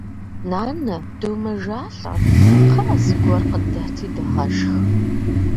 Нанэ, домэжалӏэ, кхъыӏэ, зыгуэр къыдэти дыгъэшх!